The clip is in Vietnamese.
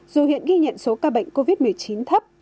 dù hiện ghi nhận số ca bệnh covid một mươi chín thấp